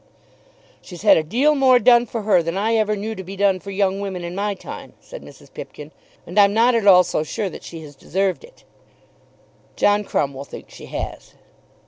"She's had a deal more done for her than I ever knew to be done for young women in my time," said Mrs. Pipkin, "and I'm not at all so sure that she has deserved it." "John Crumb will think she has."